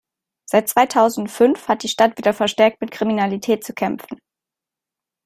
Seit zweitausendfünf hat die Stadt wieder verstärkt mit Kriminalität zu kämpfen.